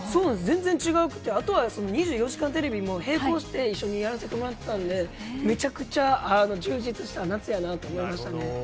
全然違うくて、あとは２４時間テレビも並行して一緒にやらせてもらってたんで、めちゃくちゃ充実した夏やなと思いましたね。